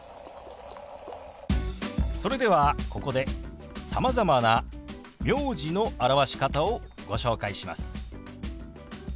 それではここでさまざまな名字の表し方をご紹介します。